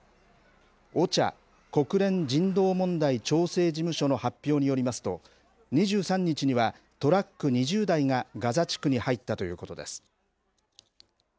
ＯＣＨＡ・国連人道問題調整事務所の発表によりますと、２３日には、トラック２０台がガザ地区に入ったということです。